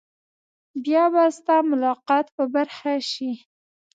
بیا به ستا ملاقات په برخه شي.